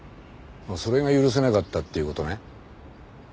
それが許せなかったっていう事ね？